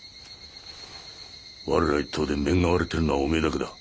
我ら一党で面が割れてるのはお前だけだ。